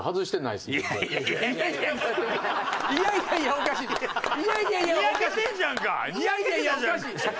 「いやいやいや」はおかしいでしょ！